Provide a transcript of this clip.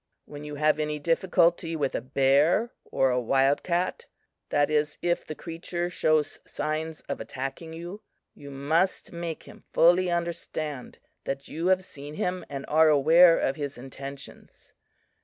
"When you have any difficulty with a bear or a wild cat that is, if the creature shows signs of attacking you you must make him fully understand that you have seen him and are aware of his intentions.